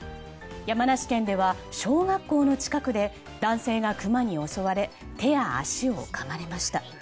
山梨県では小学校の近くで男性がクマに襲われ手や足をかまれました。